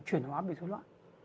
chuyển hóa bệnh xuất loạn